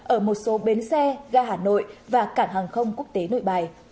ở một số bến xe ga hà nội và cảng hàng không quốc tế nội bài